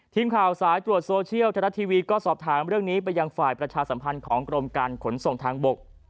ทีมข่าวสายตรวจโซเชียลไทยรัฐทีวีก็สอบถามเรื่องนี้ไปยังฝ่ายประชาสัมพันธ์ของกรมการขนส่งทางบก